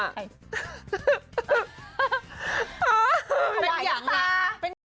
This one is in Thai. ถวายน้ำตา